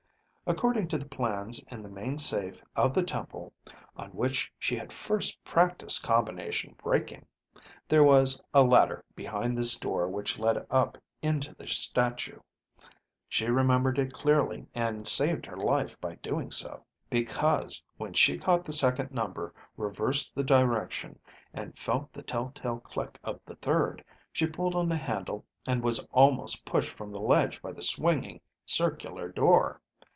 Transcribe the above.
According to the plans in the main safe of the temple (on which she had first practiced combination breaking) there was a ladder behind this door which led up into the statue. She remembered it clearly; and saved her life by doing so. Because when she caught the second number, reversed the direction and felt the telltale click of the third, she pulled on the handle and was almost pushed from the ledge by the swinging circular door.